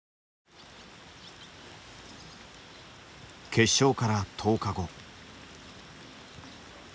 決勝から１０日後。